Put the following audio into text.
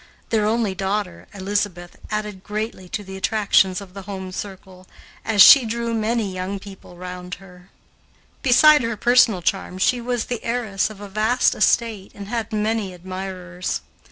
Their only daughter, Elizabeth, added greatly to the attractions of the home circle, as she drew many young people round her. Beside her personal charm she was the heiress of a vast estate and had many admirers.